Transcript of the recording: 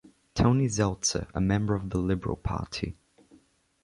Toni Zeltzer, a member of the Liberal Party.